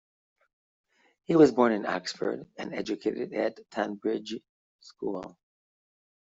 He was born in Oxford, and educated at Tonbridge School.